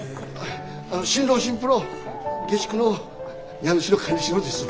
新郎新婦の下宿の家主の金城です。